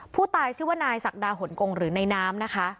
ผู้ตายชื่อว่านายศักดาหนกงหรือในน้ำนะคะ